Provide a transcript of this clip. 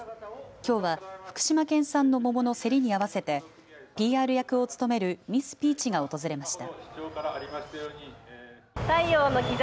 きょうは福島県産の桃の競りに合わせてＰＲ役を務めるミスピーチが訪れました。